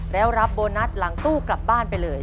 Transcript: แล้วรับโบนัสหลังตู้กลับบ้านไปเลย